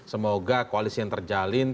semoga koalisi yang terjalin